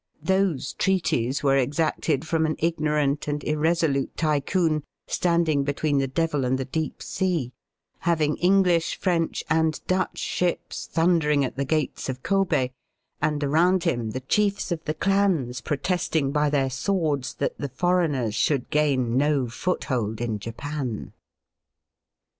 Those treaties were exacted from an ignorant and irresolute Tycoon standing between the devil and the deep sea, having English, French, and Dutch ships thundering at the gates of Kobe, and around him the chiefs of the clans protesting Digitized by VjOOQIC A PERSONAL EPISODE IN HISTOBT. 35 by their swords that the foreigners should gain no foothold in Japan.